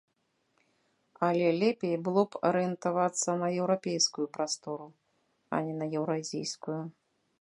Але лепей было б арыентавацца на еўрапейскую прастору, а не на еўразійскую.